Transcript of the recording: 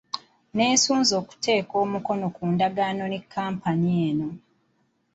Nneesunze okuteeka omukono ku ndagaano ne kkampani eno.